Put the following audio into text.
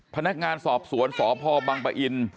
พนักงานสอบสวนสพบังปะอิน